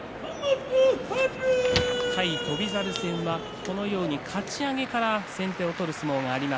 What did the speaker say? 対翔猿戦はかち上げから先手を取る相撲があります